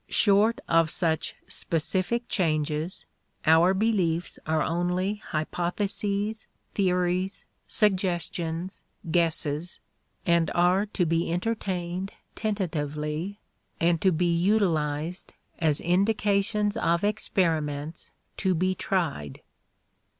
Short of such specific changes, our beliefs are only hypotheses, theories, suggestions, guesses, and are to be entertained tentatively and to be utilized as indications of experiments to be tried.